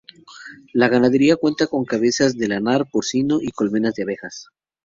La ganadería cuenta con cabezas de lanar, porcino y colmenas de abejas.